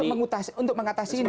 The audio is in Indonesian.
itu untuk mengatasi ini